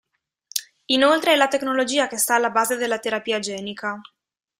Inoltre è la tecnologia che sta alla base della terapia genica.